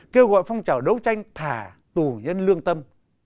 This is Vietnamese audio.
kêu gọi phong trào đấu tranh thả tù nhân lương tâm